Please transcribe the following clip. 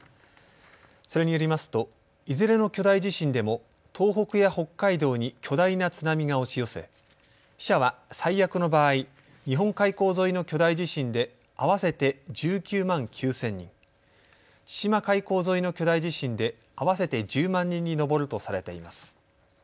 それによりますといずれの巨大地震でも東北や北海道に巨大な津波が押し寄せ死者は最悪の場合、日本海溝沿いの巨大地震で合わせて１９万９０００人、千島海溝沿いの巨大地震で合わせて１０万人に上るとされています。